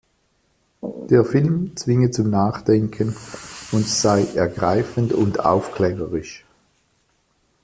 Der Film zwinge zum Nachdenken und sei „ergreifend und aufklärerisch“.